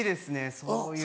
そういう。